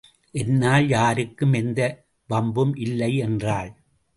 என்னால் யாருக்கும் எந்த வம்பும் இல்லை என்றாள்.